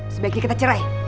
sebaiknya kita cerai